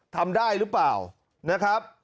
ทำได้หรือเปล่านะครับ